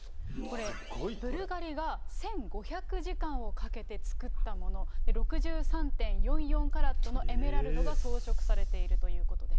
ブルガリが１５００時間をかけて作ったもの、６３．４４カラットのエメラルドが装飾されているということで。